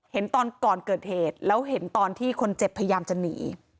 เห็นตอนก่อนเกิดเหตุแล้วเห็นตอนที่คนเจ็บพยายามจะหนี